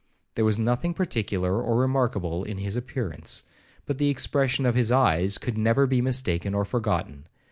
There was nothing particular or remarkable in his appearance, but the expression of his eyes could never be mistaken or forgotten.